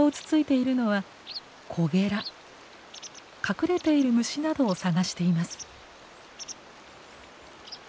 隠れている虫などを探しています。